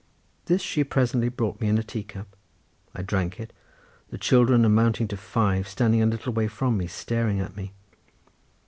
This she presently brought me in a teacup. I drank it, the children amounting to five standing a little way from me staring at me.